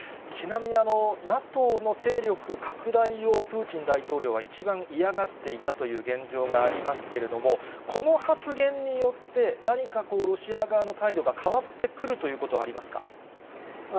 ちなみにＮＡＴＯの勢力拡大をプーチン大統領は一番嫌がっていたという現状がありますけれども、この発言によって、何かロシア側の態度が変わってくるということはありますか。